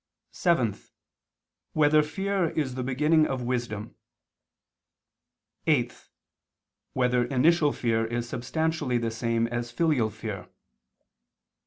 (7) Whether fear is the beginning of wisdom? (8) Whether initial fear is substantially the same as filial fear?